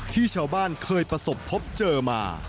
ที่ชาวบ้านเคยประสบพบเจอมา